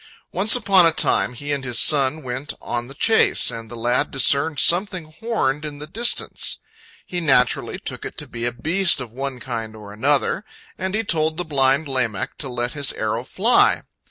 Once upon a time he and his son went on the chase, and the lad discerned something horned in the distance. He naturally took it to be a beast of one kind or another, and he told the blind Lamech to let his arrow fly.